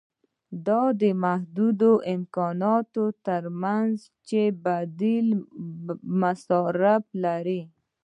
دا د محدودو امکاناتو ترمنځ چې بدیل مصارف لري.